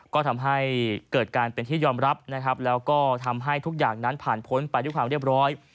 ก็ทำให้เกิดการเป็นที่ยอมรับนะครับแล้วก็ทำให้ทุกอย่างนั้นผ่านพ้นไปด้วยความเรียบร้อย